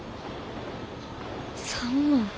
３万。